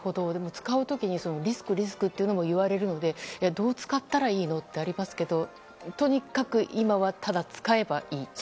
使う時にリスク、リスクともいわれるので、どう使ったらいいの？ってありますけどとにかく今はただ使えばいいんですか。